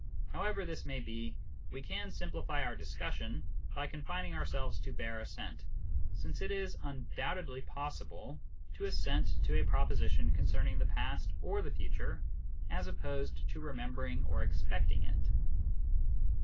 However this may be, we can simplify our discussion by confining ourselves to bare assent, since it is undoubtedly possible to assent to a proposition concerning the past or the future, as opposed to remembering or expecting it.